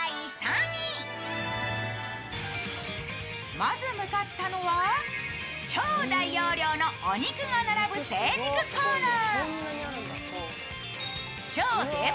まず向かったのは、超大容量のお肉が並ぶ精肉コーナー。